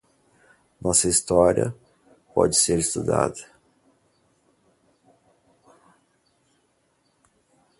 Nós somos história para ser estudada